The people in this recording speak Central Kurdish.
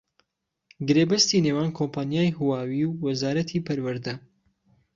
گرێبەستی نێوان کۆمپانیای هواوی و وەزارەتی پەروەردە